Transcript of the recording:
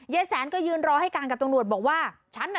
อย่าย็ินรอให้กันกับตรงรวร์บอกว่าฉันน่ะ